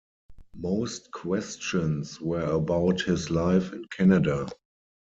Most questions were about his life in Canada.